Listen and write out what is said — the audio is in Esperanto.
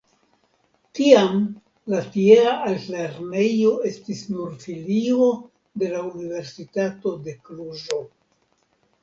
Tiam la tiea altlernejo estis nur filio de la Universitato de Kluĵo.